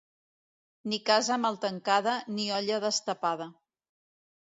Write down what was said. Ni casa mal tancada, ni olla destapada.